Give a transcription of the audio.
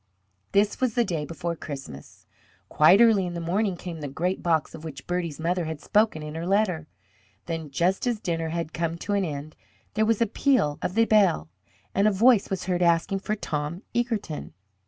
This was the day before Christmas. Quite early in the morning came the great box of which Bertie's mother had spoken in her letter. Then, just as dinner had come to an end, there was a peal of the bell, and a voice was heard asking for Tom Egerton.